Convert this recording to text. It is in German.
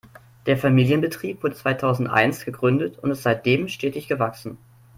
Der Familienbetrieb wurde zweitausendeins gegründet und ist seitdem stetig gewachsen.